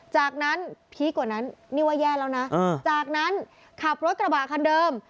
จากนั้นพีคกว่านั้นนี่ว่าแย่แล้วนะจากนั้นขับรถกระบะคันเดิม